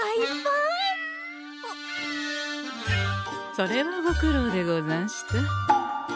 それはご苦労でござんした。